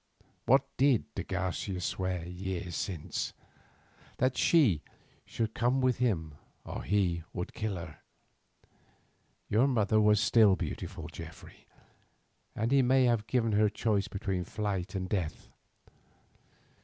What did de Garcia swear years since?—that she should come with him or he would kill her. Your mother was still beautiful, Geoffrey, and he may have given her choice between flight and death.